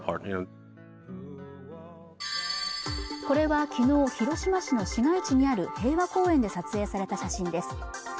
これは昨日広島市の市街地にある平和公園で撮影された写真です